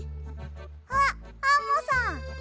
あっアンモさん。